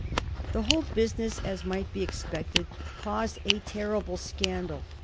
The whole business, as might be expected, caused a ter rible scandal.